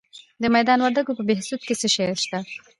د میدان وردګو په بهسودو کې څه شی شته؟